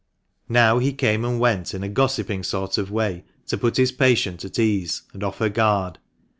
Now he came and went in a gossiping sort of way, to put his patient at ease, and off her guard.